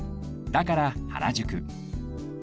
だから原宿